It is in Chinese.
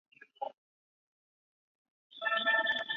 招募兵马。